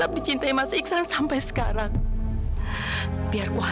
ini semua tugas tugas allah dan nyokap lo